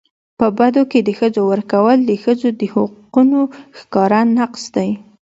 په بدو کي د ښځو ورکول د ښځو د حقونو ښکاره نقض دی.